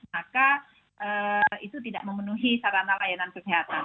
maksudnya saya merasa itu tidak memenuhi sarana layanan kesehatan